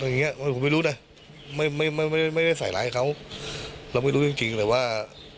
อย่างเงี้ยผมไม่รู้นะไม่ได้ใส่ไลน์ให้เขาเราไม่รู้จริงแต่ว่า